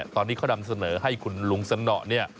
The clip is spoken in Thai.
ตอนนี้เขาดำเสนอให้คุณหลวงสน